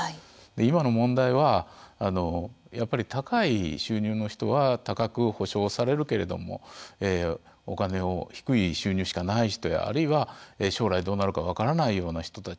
今の問題はやっぱり高い収入の人は高く補償されるけれどもお金を、低い収入しかない人やあるいは将来どうなるか分からないような人たち